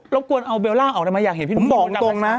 รบกวนเอาเบลล่าออกมาอยากเห็นพี่ม่ดดำอยู่นั่นไง